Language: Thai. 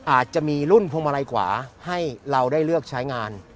อาจจะมีรุ่นพวงมาลัยกว่าให้เราได้เลือกใช้งาน